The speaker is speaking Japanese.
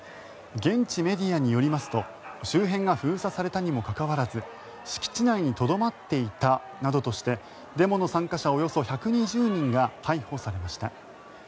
現地メディアによりますと周辺が封鎖されたにもかかわらず敷地内にとどまっていたなどとしてデモの参加者およそ１２０人が逮捕されました。